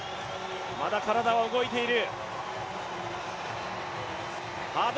まだ体は動いている。